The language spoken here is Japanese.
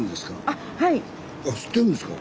あ知ってるんですか？